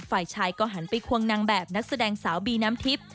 ฝ่ายชายก็หันไปควงนางแบบนักแสดงสาวบีน้ำทิพย์